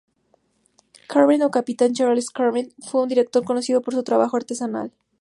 Calvert o Captain Charles Calvert, fue un director conocido por su trabajo artesanal.